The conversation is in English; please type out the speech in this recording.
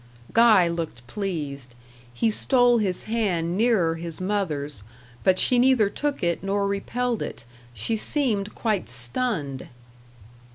Guy looked pleased. He stole his hand nearer his mother's, but she neither took it nor repelled it; she seemed quite stunned.